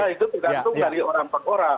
ya itu tergantung dari orang orang